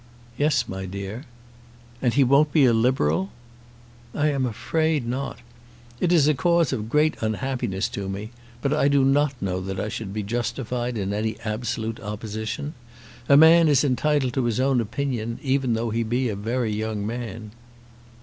"Yes, my dear." "And he won't be a Liberal?" "I am afraid not. It is a cause of great unhappiness to me; but I do not know that I should be justified in any absolute opposition. A man is entitled to his own opinion, even though he be a very young man."